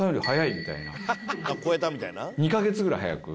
越えたみたいな？